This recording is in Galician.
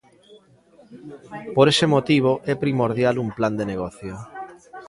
Por ese motivo é primordial un plan de negocio.